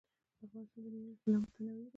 افغانستان د مېوې له پلوه متنوع دی.